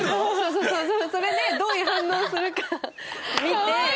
そうそうそうそれでどういう反応するか見て。